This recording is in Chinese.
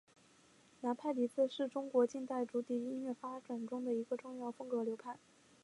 南派笛子是中国近代竹笛音乐发展中的一个重要风格流派。